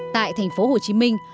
tại thành phố hồ chí minh